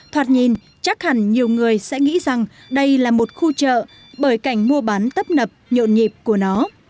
thoạt nhìn chắc hẳn nhiều người sẽ nghĩ rằng đây là một khu chợ bởi cảnh mua bán tấp nập nhộn nhịp của nó